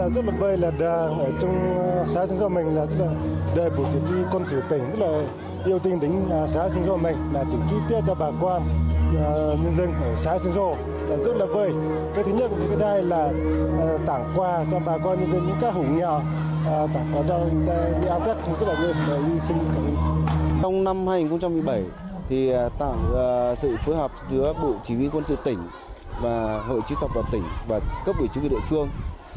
giữa bộ chỉ huy quân sự tỉnh hội chứa thập đỏ tỉnh và cấp ủy chú vị đội phương